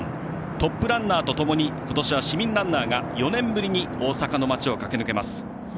トップランナーとともに今年は市民ランナーが４年ぶりに大阪の街を駆け抜けます。